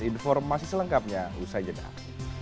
informasi selengkapnya usai jendhal